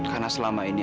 karena selama ini